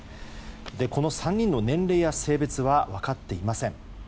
この３人の年齢や性別は分かっていません。